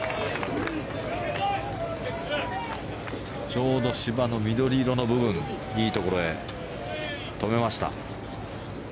ちょうど芝の緑色の部分いいところへ止めました。